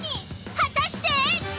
果たして。